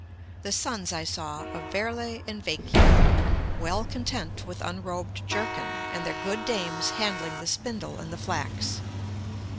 The sons I saw Of Verli and of Vecchio, well content With unrobed jerkin, and their good dames handling The spindle and the flax....